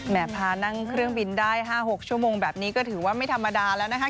พานั่งเครื่องบินได้๕๖ชั่วโมงแบบนี้ก็ถือว่าไม่ธรรมดาแล้วนะคะ